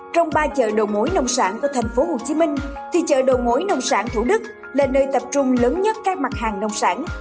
trong ba chợ đầu mối nông sản của thành phố hồ chí minh thì chợ đầu mối nông sản thủ đức là nơi tập trung lớn nhất các mặt hàng nông sản